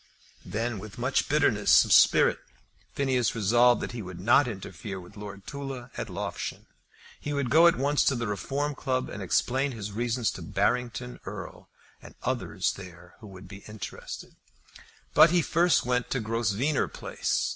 Then with much bitterness of spirit Phineas resolved that he would not interfere with Lord Tulla at Loughshane. He would go at once to the Reform Club and explain his reasons to Barrington Erle and others there who would be interested. But he first went to Grosvenor Place.